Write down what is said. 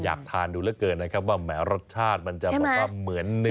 อยากทานดูแล้วเกินนะครับว่าแหมรสชาติมันจะเหมือนเนื้อ